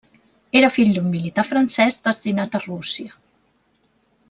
Era fill d'un militar francès destinat a Rússia.